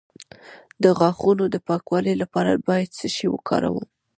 د غاښونو د پاکوالي لپاره باید څه شی وکاروم؟